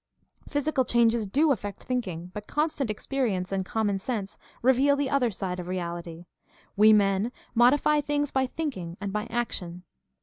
Physical changes do afifect thinking, but constant experience and common sense reveal the other side of reality : we men modify things by thinking and by action.